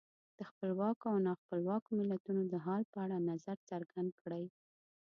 د خپلواکو او نا خپلواکو ملتونو د حال په اړه نظر څرګند کړئ.